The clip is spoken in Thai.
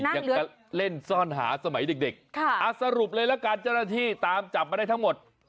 นั่งเหลืออยากเล่นซ่อนหาสมัยเด็กค่ะสรุปเลยละกันจรภีร์ตามจับมาได้ทั้งหมด